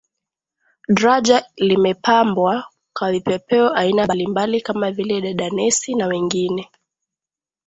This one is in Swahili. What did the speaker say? Draja limepambwa kwa vipepeo aina mbali mbali kama vile Dadanesi na wengine